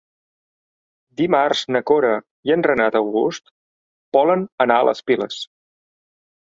Dimarts na Cora i en Renat August volen anar a les Piles.